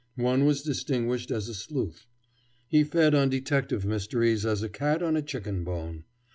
One was distinguished as a sleuth. He fed on detective mysteries as a cat on a chicken bone.